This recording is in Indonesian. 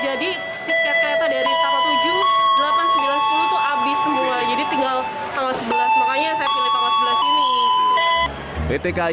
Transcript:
jadi tiket tiketnya dari tanggal tujuh delapan sembilan sepuluh tuh abis semua jadi tinggal tanggal sebelas makanya saya pilih tanggal sebelas ini